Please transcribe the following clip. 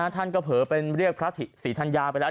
ท่านก็เผลอเป็นเรียกพระศรีธัญญาไปแล้ว